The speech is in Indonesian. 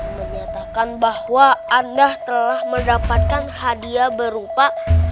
menyatakan bahwa anda telah mendapatkan hadiah berupa